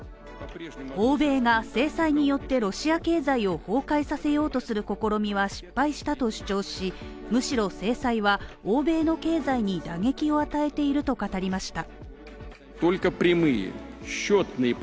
欧米が制裁によってロシア経済を崩壊させようとする試みは失敗したと主張し、むしろ制裁は欧米の経済に打撃を与えていると語りました。